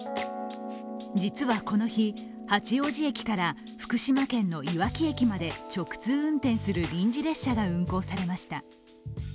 実はこの日、八王子駅から福島県のいわき駅まで直通運転する臨時列車が運行されました。